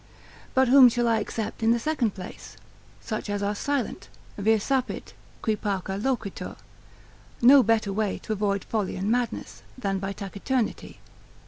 But whom shall I except in the second place? such as are silent, vir sapit qui pauca loquitur; no better way to avoid folly and madness, than by taciturnity.